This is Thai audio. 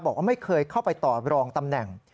บอกว่าไม่เคยเข้าไปต่อรองตำแหน่ง